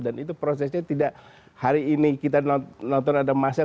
dan itu prosesnya tidak hari ini kita nonton ada masalah